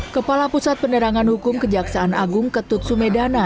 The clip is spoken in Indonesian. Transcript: kepala pusat penerangan hukum kejaksaan agung ketut sumedana